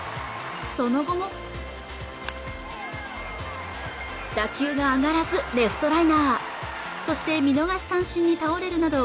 その後も打球が上がらずレフトライナーそして見逃し三振に倒れるなど